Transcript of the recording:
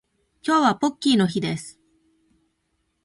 今日はポッキーの日です